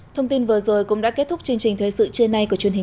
thông tin vừa rồi cũng đã kết thúc chương trình thời sự trưa nay của truyền hình